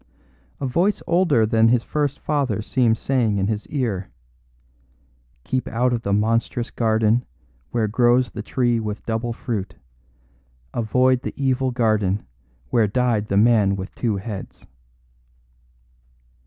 A voice older than his first fathers seemed saying in his ear: "Keep out of the monstrous garden where grows the tree with double fruit. Avoid the evil garden where died the man with two heads."